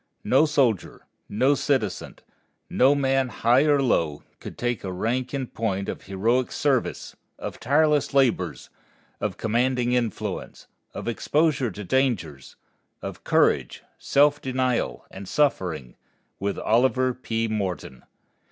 No soldier, no citizen, no man high or low, could take rank in point of heroic service, of tireless labors, of commanding influence, of exposure to dangers, of courage, self denial and suffering, with Oliver P. Morton.